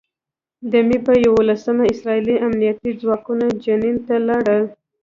د مې په یوولسمه اسراييلي امنيتي ځواکونه جنین ته لاړل.